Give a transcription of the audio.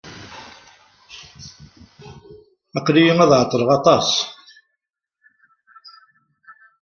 Aql-iyi ad ɛeṭṭleɣ aṭas.